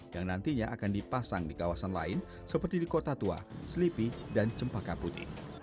yang nantinya akan dipasang di kawasan lain seperti di kota tua selipi dan cempaka putih